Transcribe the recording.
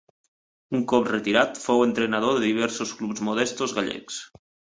Un cop retirat fou entrenador de diversos clubs modestos gallecs.